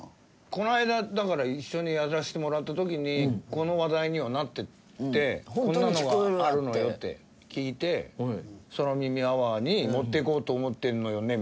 この間だから一緒にやらせてもらった時にこの話題にはなってて「こんなのがあるのよ」って聞いて「空耳アワーに持っていこうと思ってるのよね」